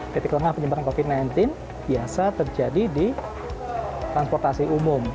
titik lengah penyebaran covid sembilan belas biasa terjadi di transportasi umum